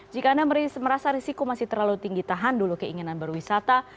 jika anda merasa risiko masih terlalu tinggi tahan dulu keinginan berwisata